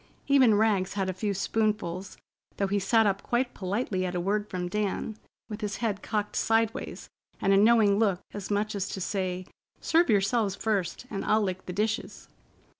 Even Rags had a few spoonfuls, though he sat up quite politely at a word from Dan, with his head cocked sideways, and a knowing look, as much as to say, "Serve yourselves first, and I'll lick the dishes."